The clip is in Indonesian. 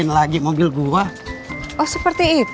kalau tidak kalau dam serait